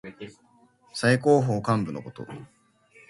三公九卿。政界の最高幹部のこと。